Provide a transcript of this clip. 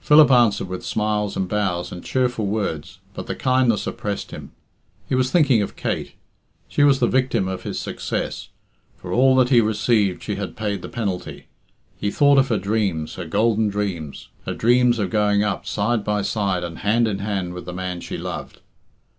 Philip answered with smiles and bows and cheerful words, but the kindness oppressed him. He was thinking of Kate. She was the victim of his success. For all that he received she had paid the penalty. He thought of her dreams, her golden dreams, her dreams of going up side by side and hand in hand with the man she loved.